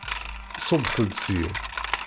Ṣubbet-d syin!